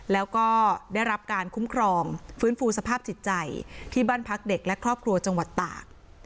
แล้วก็ได้รับการคุ้มครองฟื้นฟูสภาพจิตใจที่บ้านพักเด็กและครอบครัวจังหวัดตาก